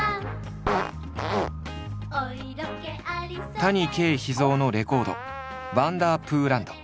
谷啓秘蔵のレコード「ワンダープーランド」。